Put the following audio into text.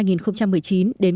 đến các chủ rừng